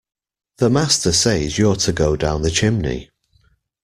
The master says you’re to go down the chimney!